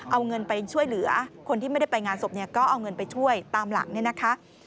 เอาเงินไปช่วยเหลือคนที่ไม่ได้ไปงานศพก็เอาเงินไปช่วยตามหลัง